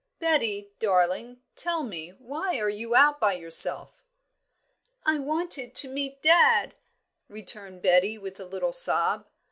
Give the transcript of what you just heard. "Betty, darling, tell me, why are you out by yourself?" "I wanted to meet dad," returned Betty, with a little sob.